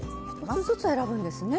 １つずつ選ぶんですね？